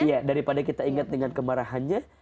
iya daripada kita ingat dengan kemarahannya